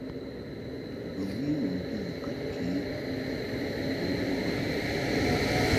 Bɨwi ni mbi ŋgəd ke ndib bo wom a.